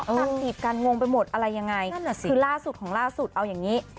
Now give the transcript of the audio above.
ปรากฏการณ์งงไปหมดอะไรยังไงเซนั่นสิคือล่าสุดของล่าสุดเอาอย่างงี้